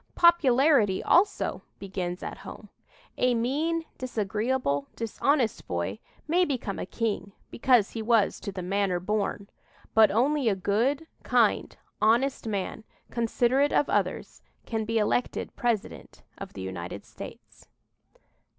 Popularity, also, "begins at home." A mean, disagreeable, dishonest boy may become a king, because he was "to the manner born." But only a good, kind, honest man, considerate of others, can be elected President of the United States.